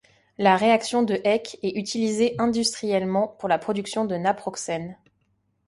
La réaction de Heck est utilisée industriellement pour la production de naproxène.